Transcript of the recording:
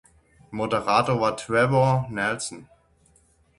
Moderator war Trevor Nelson.